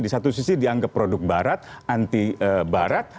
di satu sisi dianggap produk barat anti barat